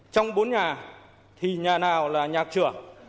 trong bốn nhà thì nhà nào là nhà trưởng